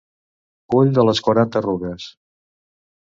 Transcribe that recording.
Ull de les quaranta arrugues.